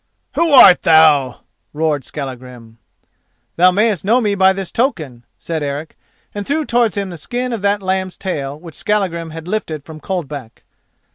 "Who art thou?" roared Skallagrim. "Thou mayest know me by this token," said Eric, and he threw towards him the skin of that lamb's tail which Skallagrim had lifted from Coldback.